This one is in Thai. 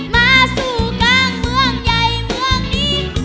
มาสู่กลางเมืองใหญ่เมืองนี้